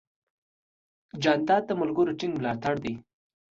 جانداد د ملګرو ټینګ ملاتړ دی.